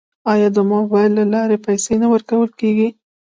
آیا د موبایل له لارې پیسې نه ورکول کیږي؟